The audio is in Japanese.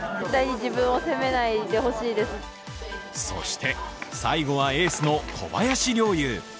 そして、最後はエースの小林陵侑。